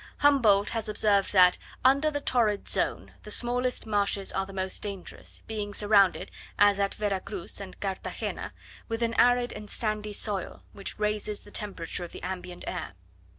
Humboldt has observed, that, "under the torrid zone, the smallest marshes are the most dangerous, being surrounded, as at Vera Cruz and Carthagena, with an arid and sandy soil, which raises the temperature of the ambient air."